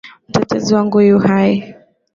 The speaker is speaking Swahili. Mtetezi wangu yu hai.